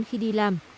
khi đi làm